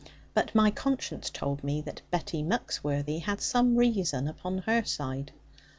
But my conscience told me that Betty Muxworthy had some reason upon her side.